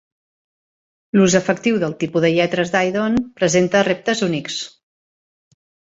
L'ús efectiu dels tipus de lletres Didone presenta reptes únics.